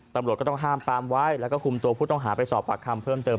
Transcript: ตำรวจก็ต้องห้ามปามไว้แล้วก็คุมตัวผู้ต้องหาไปสอบปากคำเพิ่มเติม